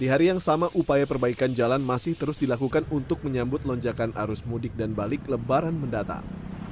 di hari yang sama upaya perbaikan jalan masih terus dilakukan untuk menyambut lonjakan arus mudik dan balik lebaran mendatang